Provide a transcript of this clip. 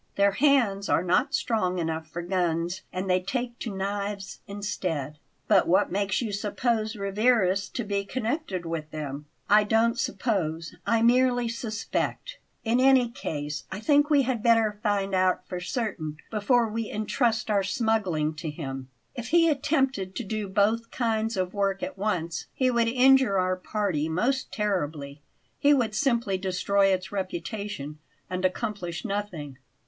Their hands are not strong enough for guns, and they take to knives instead." "But what makes you suppose Rivarez to be connected with them?" "I don't suppose, I merely suspect. In any case, I think we had better find out for certain before we intrust our smuggling to him. If he attempted to do both kinds of work at once he would injure our party most terribly; he would simply destroy its reputation and accomplish nothing.